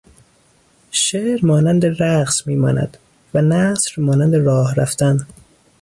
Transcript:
شعر مانند رقص میماند و نثر مانند راه رفتن